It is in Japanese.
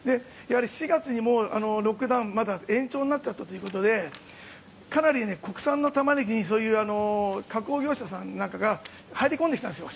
４月にロックダウンまた延長になっちゃったということでかなり国産のタマネギに加工業者さんなんかが入り込んできたんですよ